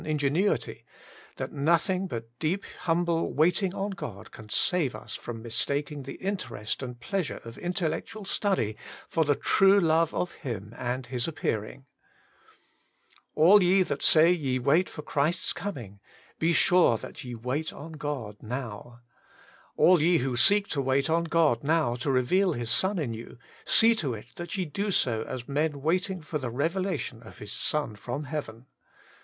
ingenuity, that nothing but deeply humble wait ing on God can save us from mistaking the interest and pleasure of intellectual study for the true love of Him and His appearing. All 131 WAITING ON GOD/ ye that say ye wait for Christ's coming, be wure that ye wait on God noio. All ye who seek to wait on God now to reveal His Son in you, see to it that ye do so as men waiting for the revelation of His Son from heaven.